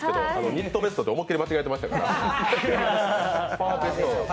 ニットベスト、思いっきり間違えてましたから。